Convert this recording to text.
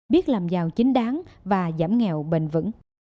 biết làm giàu chính đáng và giảm nghèo bền vững